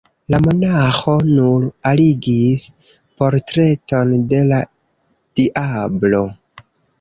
La monaĥo nur aligis portreton de la diablo.